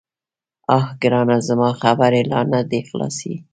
_اه ګرانه، زما خبرې لا نه دې خلاصي.